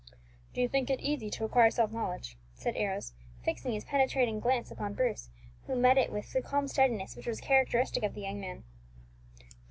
"Do you think it easy to acquire self knowledge?" asked Arrows, fixing his penetrating glance upon Bruce, who met it with the calm steadiness which was characteristic of the young man.